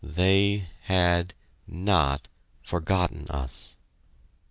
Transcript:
They had not forgotten us.